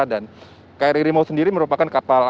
dan kri rimau sendiri merupakan kapal